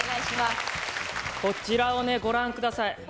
こちらをねご覧下さい。